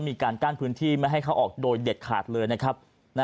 มีการกั้นพื้นที่ไม่ให้เข้าออกโดยเด็ดขาดเลยนะครับ